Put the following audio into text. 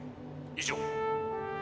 以上」。